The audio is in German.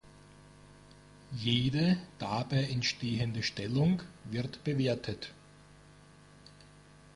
Jede dabei entstehende Stellung wird bewertet.